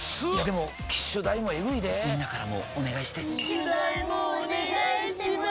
でも機種代もエグいでぇみんなからもお願いして機種代もお願いします